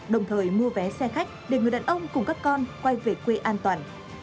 đồng thời mua vé xe khách để người đàn ông cùng các con quay về quê an toàn